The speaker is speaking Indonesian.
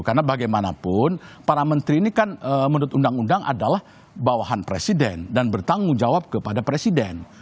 karena bagaimanapun para menteri ini kan menurut undang undang adalah bawahan presiden dan bertanggung jawab kepada presiden